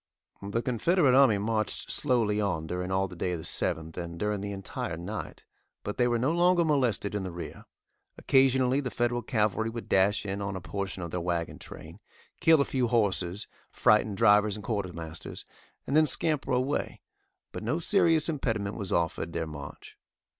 The Confederate army marched slowly on during all day of the 7th, and during the entire night, but they were no longer molested in the rear. Occasionally the Federal cavalry would dash in on a portion of their wagon train, kill a few horses, frighten drivers and Quartermasters, and then scamper away, but no serious impediment was offered their march.